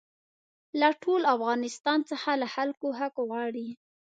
له ټول افغانستان څخه له خلکو حق غواړي.